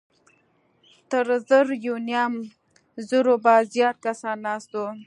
تر زر يونيم زرو به زيات کسان ناست وو.